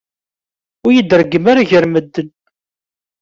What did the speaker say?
Ur yi-d-reggem ara gar medden.